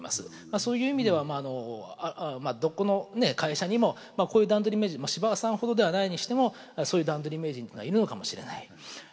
そういう意味ではどこの会社にもこういう段取り名人まあ司馬さんほどではないにしてもそういう段取り名人っていうのはいるのかもしれない。